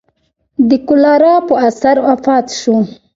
د کولرا په اثر وفات شو.